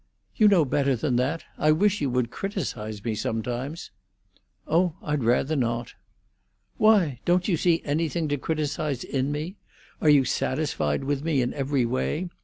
"You know better than that. I wish you would criticise me sometimes." "Oh, I'd rather not." "Why? Don't you see anything to criticise in me? Are you satisfied with me in every way?